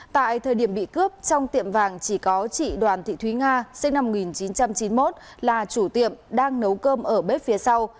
tại thời điểm bị cướp trong tiệm vàng chỉ có chị đoàn thị thúy nga sinh năm một nghìn chín trăm chín mươi một là chủ tiệm đang nấu cơm ở bếp phía sau